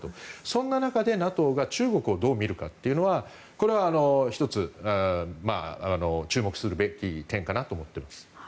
そんな中でＮＡＴＯが中国をどう見るかというのはこれは１つ、注目すべき点かなと思っています。